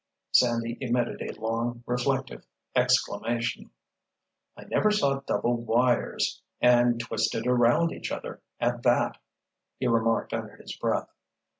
Sandy emitted a long, reflective exclamation. "I never saw double wires—and twisted around each other, at that," he remarked under his breath.